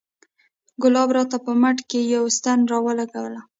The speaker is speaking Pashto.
ګلاب راته په مټ کښې يوه ستن راولګوله.